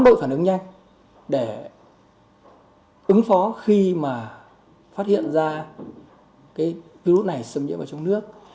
đội phản ứng nhanh để ứng phó khi mà phát hiện ra cái virus này xâm nhiễm vào trong nước